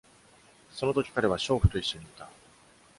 その時、彼は娼婦と一緒にいた。